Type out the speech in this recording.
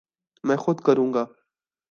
میں خود کروں گا